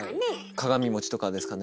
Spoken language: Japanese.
鏡餅とかですかね。